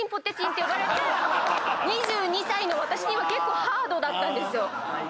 ２２歳の私には結構ハードだったんですよ。